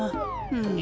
うん。